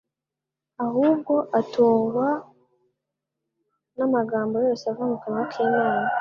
ahubwo atungwa n'amagambo yose ava mu kanwa k'Imana,